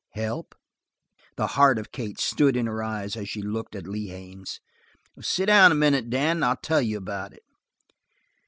"Help?" The heart of Kate stood in her eyes as she looked at Lee Haines. "Sit down a minute, Dan, and I'll tell you about it."